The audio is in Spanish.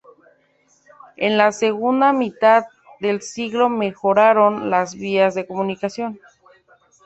En la segunda mitad del siglo mejoraron las vías de comunicación.